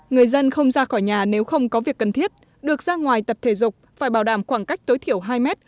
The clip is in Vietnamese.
người dân không ra khỏi nhà nếu không có việc cần thiết được ra ngoài tập thể dục phải bảo đảm khoảng cách tối thiểu hai mét